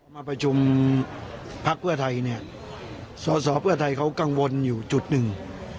มาประชุมพักเพื่อไทยเนี่ยสอสอเพื่อไทยเขากังวลอยู่จุดหนึ่ง